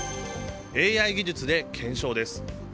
ＡＩ技術で検証です。